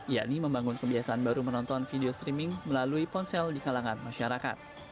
yakni membangun kebiasaan baru menonton video streaming melalui ponsel di kalangan masyarakat